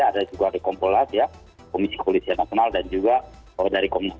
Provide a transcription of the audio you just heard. ada juga dari kompolas ya komisi komunisias nasional dan juga dari komunas